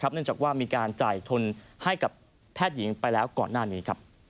เนื่องจากว่ามีการจ่ายทุนให้กับแพทย์หญิงไปแล้วก่อนหน้านี้